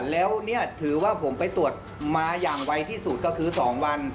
แล้วเนี่ยถือว่าผมไปตรวจมาอย่างไวที่สุดก็คือ๒วัน